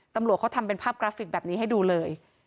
ตำรวจเขาทำเป็นภาพกราฟิกแบบนี้ให้ดูเลย